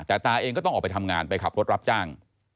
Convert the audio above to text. แต่ตาเองก็ต้องออกไปทำงานไปขับรถรับจ้าง